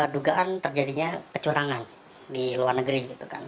dugaan terjadinya kecurangan di luar negeri